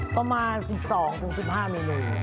ประมาณ๑๒๑๕มิลลิ